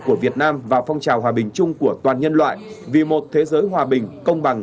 của việt nam và phong trào hòa bình chung của toàn nhân loại vì một thế giới hòa bình công bằng